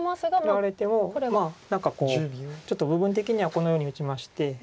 取られてもまあ何かこうちょっと部分的にはこのように打ちまして。